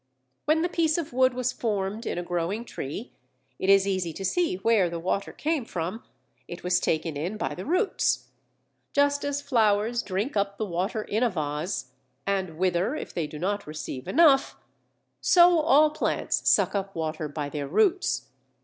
When the piece of wood was formed in a growing tree, it is easy to see where the water came from: it was taken in by the roots. Just as flowers drink up the water in a vase, and wither if they do not receive enough, so all plants suck up water by their roots.